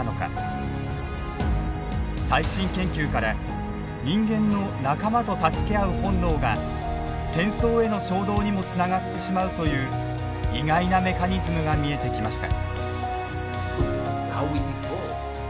最新研究から人間の仲間と助け合う本能が戦争への衝動にもつながってしまうという意外なメカニズムが見えてきました。